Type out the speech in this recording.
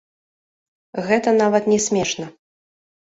Гэта нават не смешна.